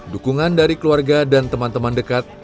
dukungan dari keluarga dan teman teman dekat